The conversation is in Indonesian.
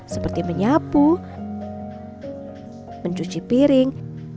seperti menyapu mencuci piring